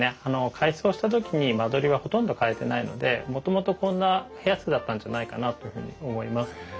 改装した時に間取りはほとんど変えてないのでもともとこんな部屋数だったんじゃないかなというふうに思います。